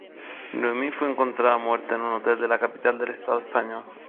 Noemí fue encontrada muerta en un hotel de la capital del estado español.